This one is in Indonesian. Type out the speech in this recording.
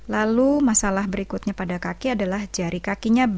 lalu masalah berikutnya pada kaki adalah jari kakinya